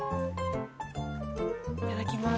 いただきます。